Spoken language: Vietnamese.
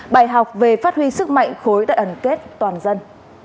bài học về phát huy sức mạnh khối đại ẩn kết toàn dân